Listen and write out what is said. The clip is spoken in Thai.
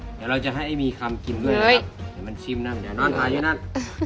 เดี๋ยวเราจะให้มีคำกินด้วยนะครับเดี๋ยวมันชิมนั่นเดี๋ยวนอนถ่ายด้วยนั่น